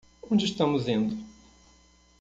Onde estamos indo?